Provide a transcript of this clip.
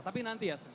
tapi nanti ya astrid